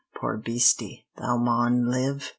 poor beastie, thou maun live!